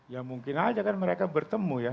ya mungkin aja kan mereka bertemu ya